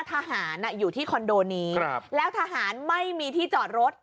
ทหารอยู่ที่คอนโดนี้แล้วทหารไม่มีที่จอดรถ